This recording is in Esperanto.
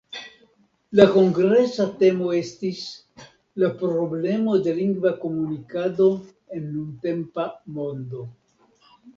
La kongresa temo estis "La problemo de lingva komunikado en nuntempa mondo".